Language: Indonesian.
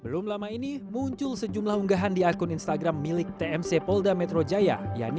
belum lama ini muncul sejumlah unggahan di akun instagram milik tmc polda metro jaya